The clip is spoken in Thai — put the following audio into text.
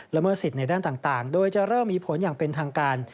เมิดสิทธิ์ในด้านต่างโดยจะเริ่มมีผลอย่างเป็นทางการ